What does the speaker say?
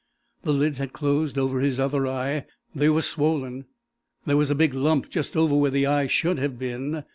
The lids had closed over his other eye; they were swollen; there was a big lump just over where the eye should have been.